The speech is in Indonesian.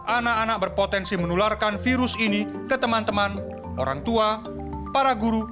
anak anak berpotensi menularkan virus ini ke teman teman orang tua para guru